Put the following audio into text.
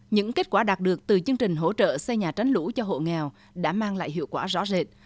những kết quả đạt được từ chương trình hỗ trợ xây nhà tránh lũ cho hộ nghèo đã mang lại hiệu quả rõ rệt